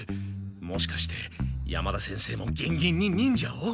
もしかして山田先生もギンギンに忍者を？